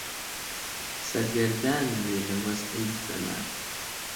سەرگەردان ئەبێ لە وەزعی زەمان